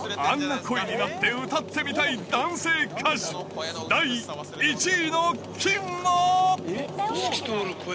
声になって歌ってみたい男性歌手第１位の金は？